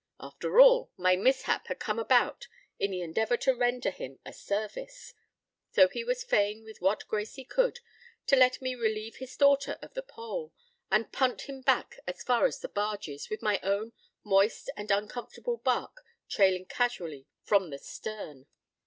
After all, my mishap had come about in the endeavour to render him a service: so he was fain with what grace he could to let me relieve his daughter of the pole, and punt him back as far as the barges, with my own moist and uncomfortable bark trailing casually from the stern.